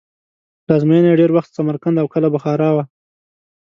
پلازمینه یې ډېر وخت سمرقند او کله بخارا وه.